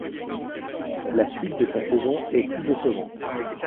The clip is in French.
La suite de sa saison est plus décevante.